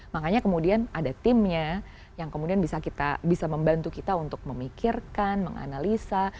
makanya kemudian ada timnya yang kemudian bisa membantu kita untuk memikirkan menganalisa